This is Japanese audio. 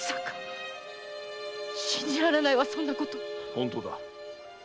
本当だ。